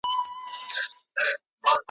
لاندي قضيي باید په محکمه کي وڅیړل سي.